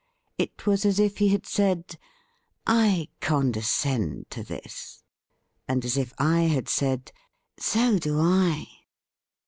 It was as if he had said: "I condescend to this," and as if I had said: "So do I."